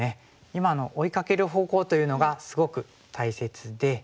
今の追いかける方向というのがすごく大切で。